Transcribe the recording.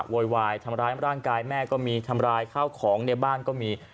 โวยวายทำร้ายร่างกายแม่ก็มีทำร้ายข้าวของในบ้านก็มี